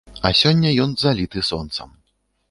А сёння ён заліты сонцам.